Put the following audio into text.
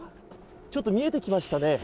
ちょっと見えてきましたね。